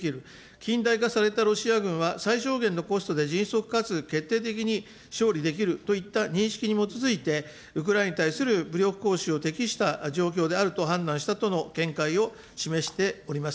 近代化されたロシア軍は最小限のコストで迅速かつ決定的に勝利できるといった認識に基づいて、ウクライナに対する武力行使を適した状況であると判断したとの見解を示しております。